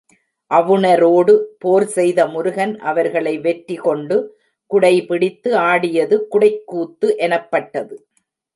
அவுணரோடு போர் செய்த முருகன் அவர்களை வெற்றி கொண்டு குடைபிடித்து ஆடியது குடைக் கூத்து எனப்பட்டது.